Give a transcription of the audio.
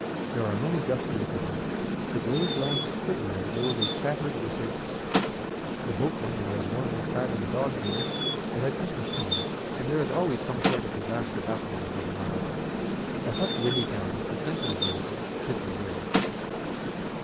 There are many gusty openings. The glazed lamps quiver as though they chattered with their teeth. The boatmen are as warmly clad in the dog days as at Christmas time, and there is always some sort of disaster happening about a mile out. Of such windy towns the sensitive visitor should beware.